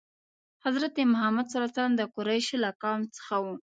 حضرت محمد ﷺ د قریشو له قوم څخه و.